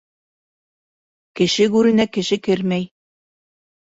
Кеше гүренә кеше кермәй.